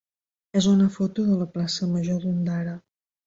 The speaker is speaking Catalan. és una foto de la plaça major d'Ondara.